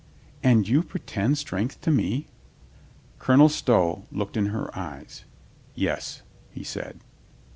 "And you pretend strength to me?" Colonel Stow looked in her eyes. "Yes," he said.